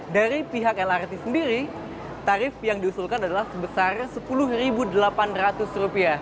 dari pihak lrt sendiri tarif yang diusulkan adalah sebesar rp sepuluh delapan ratus